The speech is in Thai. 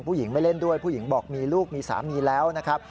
ผู้หญิงไม่เล่นด้วยผู้หญิงบอกมีลูกมีสามีแล้วนะครับ